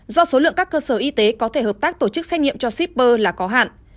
do số lượng các cơ sở y tế có thể hợp tác tổ chức xét nghiệm cho shipper là có hạn